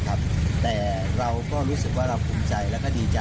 ตบมือให้จริงนะคะ